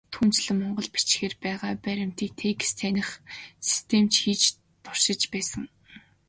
Түүнчлэн, монгол бичгээр байгаа баримтыг текст таних систем ч хийж туршиж байсан.